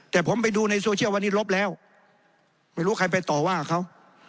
แต่ผมไปดูในโซเชียลวันนี้ลบแล้วไม่รู้ใครไปต่อว่าเขา